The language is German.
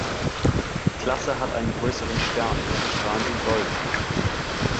Klasse hat einen größeren Stern und die Strahlen sind golden.